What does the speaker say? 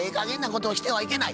ことをしてはいけない。